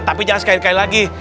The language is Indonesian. tapi jangan sekali sekali lagi